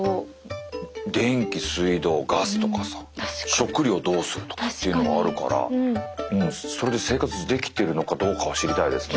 食料をどうするとかっていうのもあるからそれで生活できてるのかどうかを知りたいですね。